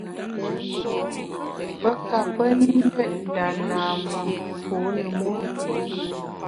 Pe ka pe ndét nda nâmemgbié pô ne monku.